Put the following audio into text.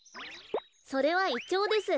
それはイチョウです。